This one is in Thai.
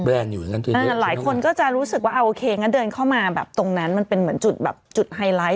แบรนด์อยู่หลายคนก็จะรู้สึกว่าเดินเข้ามาตรงนั้นมันเป็นเหมือนจุดไฮไลท์